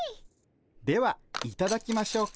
ではいただきましょうか。